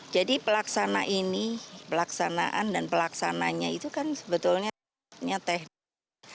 jadi pelaksana ini pelaksanaan dan pelaksananya itu kan sebetulnya teknik